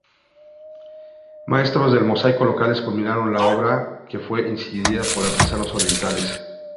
Maestros del mosaico locales culminaron la obra que fue iniciada por artesanos orientales.